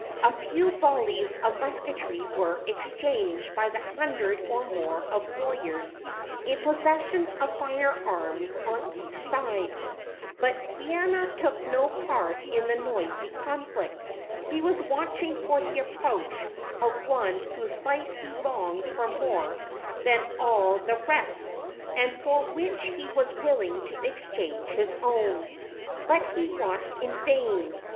A few volleys of musketry were exchanged by the hundred or more of warriors in possession of fire arms on each side, but Kaiana took no part in the noisy conflict. He was watching for the approach of one whose life he longed for more than all the rest, and for which he was willing to exchange his own. But he watched in vain.